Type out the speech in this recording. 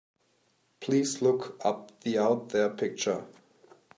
Please look up the Out There picture.